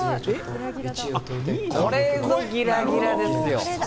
これぞギラギラですよ。